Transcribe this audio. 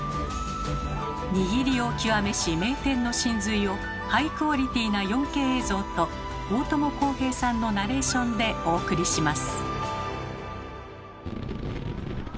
握りを極めし名店の神髄をハイクオリティーな４Ｋ映像と大友康平さんのナレーションでお送りします。